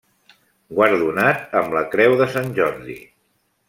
Guardonat amb la Creu de Sant Jordi.